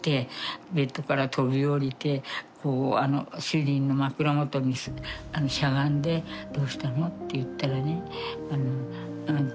でベッドから飛び降りて主人の枕元にしゃがんで「どうしたの」って言ったらね。